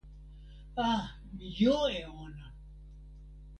a, mi jo e ona.